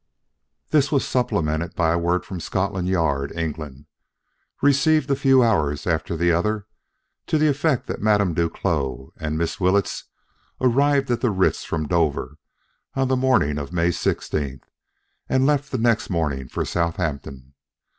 This was supplemented by a word from Scotland Yard, England, received a few hours after the other, to the effect that Madame Duclos and Miss Willetts arrived at the Ritz from Dover, on the morning of May 16th, and left the next morning for Southampton.